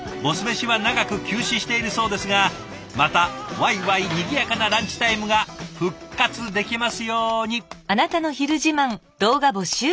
飯は長く休止しているそうですがまたワイワイにぎやかなランチタイムが復活できますように。